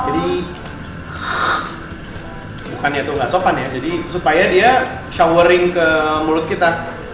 jadi bukan ya itu gak sopan ya supaya dia showering ke mulut kita